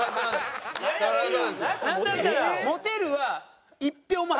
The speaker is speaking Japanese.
なんだったら「モテる」は１票も入ってない。